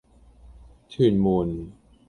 屯門